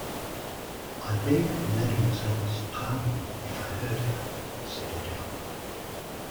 "I beg mademoiselle's pardon if I hurt her," said Adele.